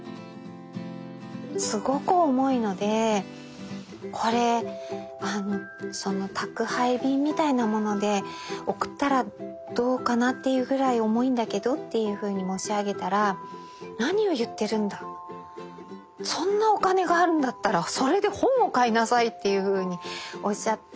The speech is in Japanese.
すごく重いのでこれ宅配便みたいなもので送ったらどうかなっていうぐらい重いんだけどっていうふうに申し上げたら何を言っているんだそんなお金があるんだったらそれで本を買いなさいっていうふうにおっしゃって。